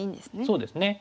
そうですね。